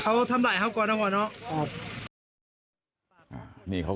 เขาทำลายเขาก่อนนะครับ